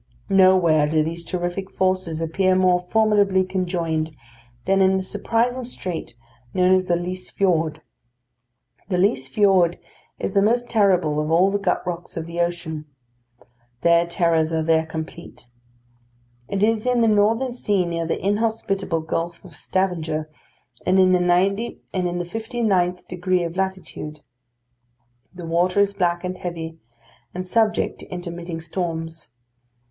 Nowhere do these terrific forces appear more formidably conjoined than in the surprising strait known as the Lyse Fiord. The Lyse Fiord is the most terrible of all the gut rocks of the ocean. Their terrors are there complete. It is in the northern sea, near the inhospitable Gulf of Stavanger, and in the 59th degree of latitude. The water is black and heavy, and subject to intermitting storms.